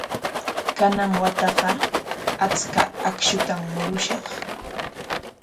Kanan wataqa achka akshutam murushaq.